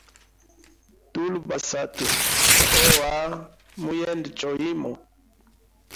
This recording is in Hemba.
Tuli basatu ohawa muyende choimo.